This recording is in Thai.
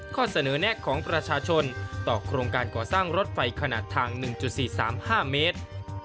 ข้อเสนอแนะของประชาชนต่อโครงการก่อสร้างรถไฟขนาดทาง๑๔๓๕เมตร